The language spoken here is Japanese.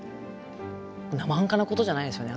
なまはんかなことじゃないですよね。